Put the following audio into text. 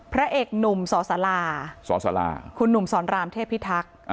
พระเอกหนุ่มสลาสลาคุณหนุ่มสอนรามเทพิทักษ์